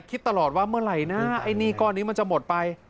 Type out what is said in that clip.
คิดตลอดว่าเมื่อไหร่นะไอ้หนี้ก้อนนี้มันจะหมดไป